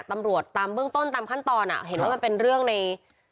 ตำรวจตามเบื้องต้นตามขั้นตอนอ่ะเห็นว่ามันเป็นเรื่องใน